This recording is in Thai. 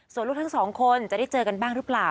ส่วนลูกทั้งสองคนจะได้เจอกันบ้างหรือเปล่า